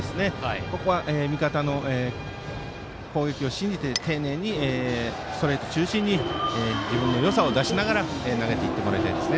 ここは味方の攻撃を信じて丁寧にストレート中心に自分のよさを出しながら投げていってほしいです。